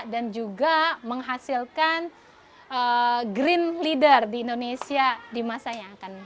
dan juga menghasilkan green leader di indonesia di masa yang akan datang